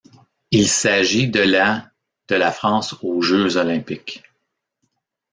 Il s'agit de la de la France aux Jeux olympiques.